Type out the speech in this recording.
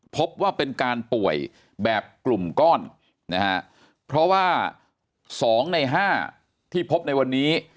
พบว่าเป็นการป่วยแบบกลุ่มก้อนนะฮะเพราะว่า๒ใน๕ที่พบในวันนี้